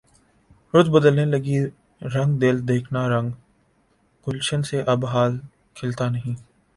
رت بدلنے لگی رنگ دل دیکھنا رنگ گلشن سے اب حال کھلتا نہیں